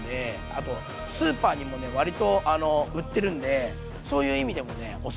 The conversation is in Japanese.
あとスーパーにもね割と売ってるんでそういう意味でもねオススメ。